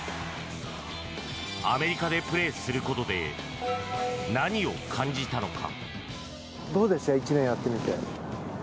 アメリカでプレーすることで何を感じたのか。